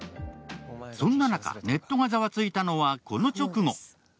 そんな中、ネットがざわついたのはこの直後。